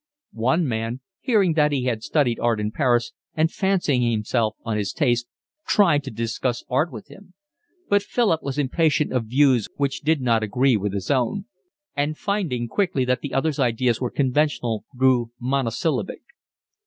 One man, hearing that he had studied art in Paris, and fancying himself on his taste, tried to discuss art with him; but Philip was impatient of views which did not agree with his own; and, finding quickly that the other's ideas were conventional, grew monosyllabic.